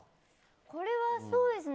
これはそうですね。